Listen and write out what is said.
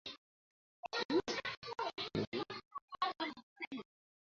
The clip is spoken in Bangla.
তেহরান তাদের পারমাণবিক কর্মসূচিকে শান্তিপূর্ণ দাবি করলেও পশ্চিমা শক্তিসমূহ দেখছে বিপদ হিসেবে।